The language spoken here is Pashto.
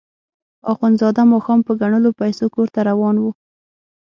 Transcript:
اخندزاده ماښام په ګڼلو پیسو کور ته روان وو.